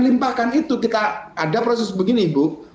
melimpahkan itu kita ada proses begini ibu